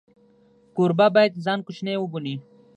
کوربه باید ځان کوچنی وبولي.